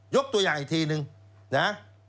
ตัวอย่างอีกทีนึงนะ